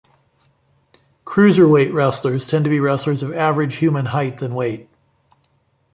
Cruiserweight wrestlers tend to be wrestlers of average human height and weight.